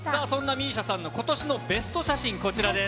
ＭＩＳＩＡさんの今年のベスト写真、こちらです。